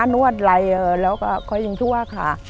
นวดไรแล้วก็ค่อยจริงบ้างค่ะ